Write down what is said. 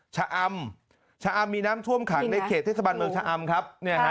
ชะอำชะอำมีน้ำท่วมขังในเขตเทศบาลเมืองชะอำครับ